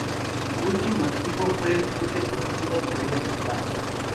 Su último equipo fue el Club Deportivo Toledo de España.